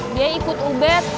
dia ikut ubed